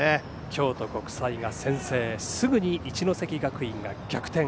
京都国際が先制すぐに一関学院が逆転。